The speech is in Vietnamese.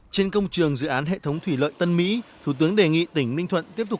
trên công trường dự án hệ thống thủy lợi tân mỹ thủ tướng đề nghị tỉnh ninh thuận tiếp tục